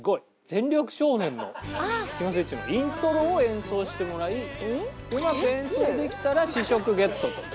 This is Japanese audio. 『全力少年』のスキマスイッチのイントロを演奏してもらいうまく演奏できたら試食ゲットと。